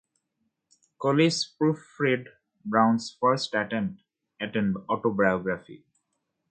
Collis proofread Brown's first attempt at an autobiography.